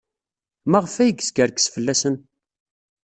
Maɣef ay yeskerkes fell-asen?